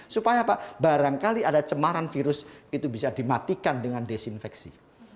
supaya pak barangkali ada cemaran virus itu bisa dimatikan dengan desinfeksi